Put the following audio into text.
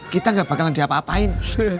kita gak bakalan diapa apain